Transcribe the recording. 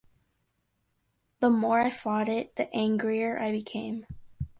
The more I thought it, the angrier I became.